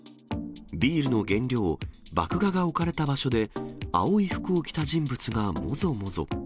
ビールの原料、麦芽が置かれた場所で、青い服を着た人物がもぞもぞ。